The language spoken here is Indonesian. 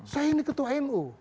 saya ini ketua nu